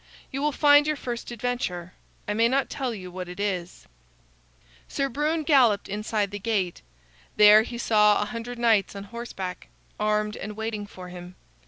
You will find your first adventure. I may not tell you what it is." Sir Brune galloped inside the gate. There he saw a hundred knights on horseback, armed and waiting for him.